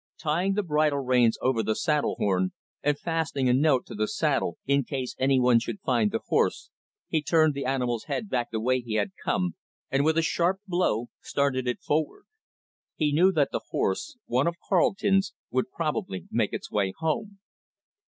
Tying the bridle reins over the saddle horn, and fastening a note to the saddle, in case any one should find the horse, he turned the animal's head back the way he had come, and, with a sharp blow, started it forward. He knew that the horse one of Carleton's would probably make its way home.